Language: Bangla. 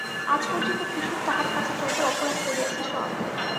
আজ পর্যন্ত কুসুম তাহার কাছে যত অপরাধ করিয়াছে সব।